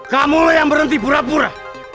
kamulah yang berhenti pura pura